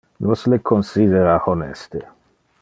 Nos le considera honeste.